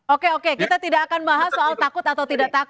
oke oke kita tidak akan bahas soal takut dengan anda